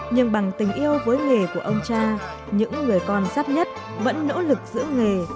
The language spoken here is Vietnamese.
nhưng bằng tình yêu với nghề của ông cha những người con giáp nhất vẫn nỗ lực giữ nghề